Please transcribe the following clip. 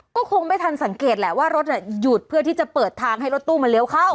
ก็คงไม่ทันสังเกตแหละว่ารถหยุดเพื่อที่จะเปิดทางให้รถตู้มาเลี้ยวเข้า